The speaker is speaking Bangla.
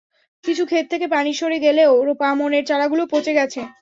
কিছু খেত থেকে পানি সরে গেলেও রোপা আমনের চারাগুলো পচে গেছে।